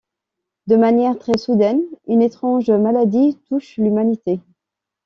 De manière très soudaine, une étrange maladie touche l'Humanité.